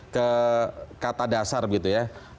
ke kata dasar begitu ya